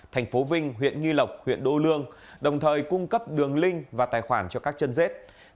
thành phố vinh huyện nghi lộc huyện đô lương đồng thời cung cấp đường link và tài khoản cho các chân dết